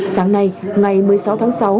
sáng nay ngày một mươi sáu tháng sáu